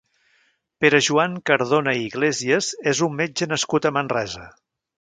Pere-Joan Cardona i Iglesias és un metge nascut a Manresa.